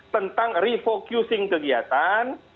tentang refocusing kegiatan